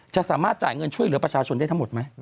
จะสามารถจ่ายเงินช่วยเหลือประชาชนได้ทั้งหมดไหม